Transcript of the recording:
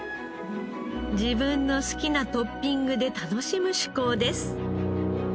自分の好きなトッピングで楽しむ趣向です。